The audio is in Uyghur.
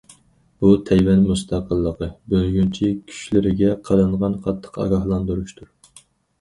بۇ،« تەيۋەن مۇستەقىللىقى» بۆلگۈنچى كۈچلىرىگە قىلىنغان قاتتىق ئاگاھلاندۇرۇشتۇر.